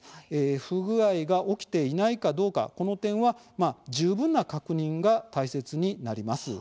不具合が起きていないかどうかこの点は十分な確認が大切になります。